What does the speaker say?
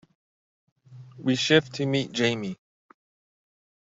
We shift to meet Jamie.